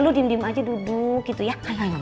lu diem diem aja duduk gitu ya